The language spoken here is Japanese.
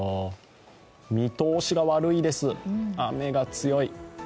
見通しが悪いです、雨が強い。